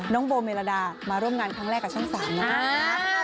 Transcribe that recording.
น้องโบเมรดามาร่วมงานครั้งแรกกับช่อง๓นะครับ